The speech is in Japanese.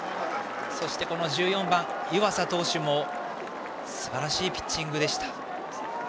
そして１４番、湯浅投手もすばらしいピッチングでした。